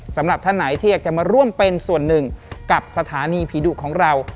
สำหรับท่านไหนที่อยากจะมาร่วมเป็นส่วนหนึ่งกับสถานีผีดุของเรา